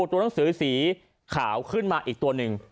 ตัวหนังสือสีขาวขึ้นมาอีกตัวหนึ่ง